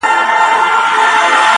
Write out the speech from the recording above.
اورېدلي یې زاړه وراسته نکلونه!.